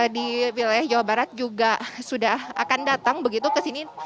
di wilayah jawa barat juga sudah akan datang begitu ke sini